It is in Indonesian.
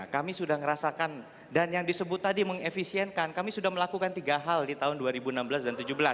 kami sudah merasakan dan yang disebut tadi mengefisienkan kami sudah melakukan tiga hal di tahun dua ribu enam belas dan dua ribu tujuh belas